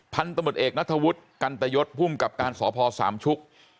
พันธุ์ตำรวจเอกนัฐวุธกันตยศผู้หุ้มกับการสอพสามชุก